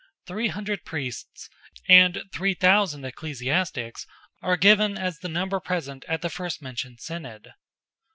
Three hundred priests, and three thousand ecclesiastics are given as the number present at the first mentioned Synod.